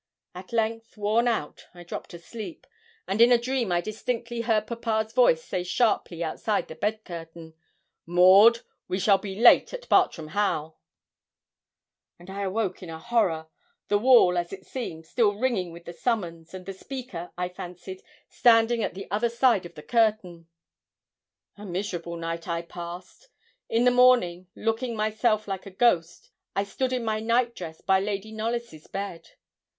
At length, worn out, I dropped asleep, and in a dream I distinctly heard papa's voice say sharply outside the bed curtain: 'Maud, we shall be late at Bartram Haugh.' And I awoke in a horror, the wall, as it seemed, still ringing with the summons, and the speaker, I fancied, standing at the other side of the curtain. A miserable night I passed. In the morning, looking myself like a ghost, I stood in my night dress by Lady Knollys' bed.